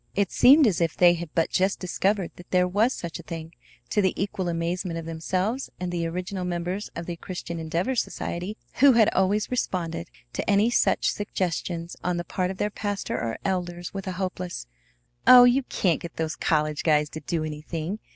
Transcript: It seemed as if they had but just discovered that there was such a thing, to the equal amazement of themselves and the original members of the Christian Endeavor Society, who had always responded to any such suggestions on the part of their pastor or elders with a hopeless "Oh, you can't get those college guys to do anything!